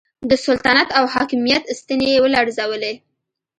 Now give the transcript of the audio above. د سلطنت او حاکمیت ستنې یې ولړزولې.